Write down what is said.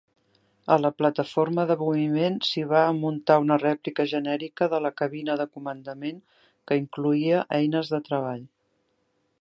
A la plataforma de moviment s'hi va muntar una rèplica genèrica de la cabina de comandament que incloïa eines de treball.